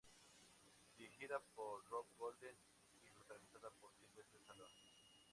Dirigida por Rob Cohen y protagonizada por Sylvester Stallone.